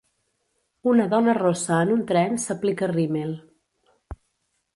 Una dona rossa en un tren s'aplica rímel.